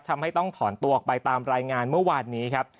ทำให้ต้องถอนตัวออกไปตามรายงานเมื่อวานนี้ครับ